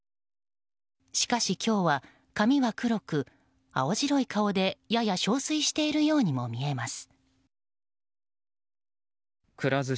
しかし、今日は髪は黒く青白い顔でやや憔悴しているようにも見えます。